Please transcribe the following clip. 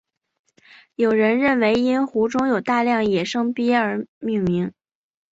有人认为因湖中有大量野生鳖而命名。